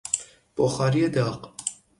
بخاری داغ